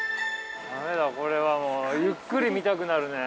◆これは、もうゆっくり見たくなるね。